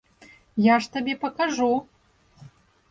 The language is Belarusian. Я ж табе пакажу!